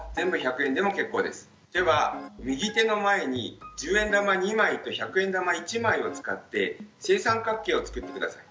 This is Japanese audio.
では右手の前に１０円玉２枚と１００円玉１枚を使って正三角形を作って下さい。